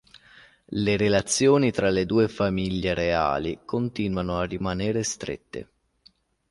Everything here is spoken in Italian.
Le relazioni tra le due famiglie reali continuano a rimanere strette.